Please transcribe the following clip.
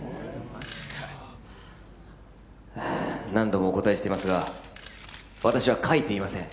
・マジか何度もお答えしていますが私は書いていません